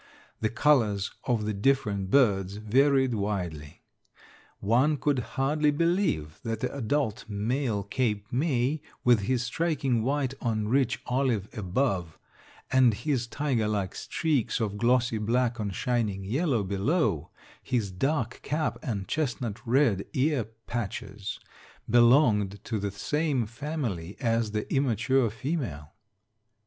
The colors of the different birds varied widely. One could hardly believe that the adult male Cape May with his striking white on rich olive above, and his tiger like streaks of glossy black on shining yellow below, his dark cap and chestnut red ear patches, belonged to the same family as the immature female.